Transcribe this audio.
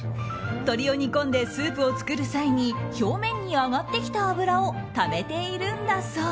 鶏を煮込んでスープを作る際に表面に上がってきた油をためているんだそう。